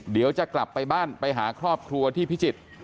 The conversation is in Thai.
เดี๋ยวจะกลับไปบ้านไปหาครอบครัวที่พิจิตร